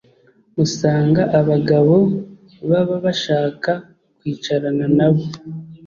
usanga abagabo baba bashaka kwicarana nabo